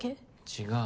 違う。